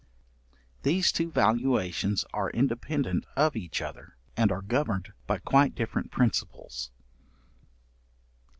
These two valuations are independent of each other, and are governed by quite different principles.